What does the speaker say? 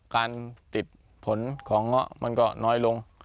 การติดผลของเงาะมันก็น้อยลง